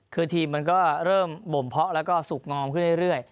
คือทีมมันก็เริ่มบ่มเพาะแล้วก็สุขงอมขึ้นเรื่อย